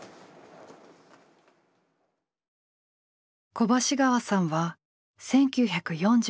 小橋川さんは１９４３年に結婚。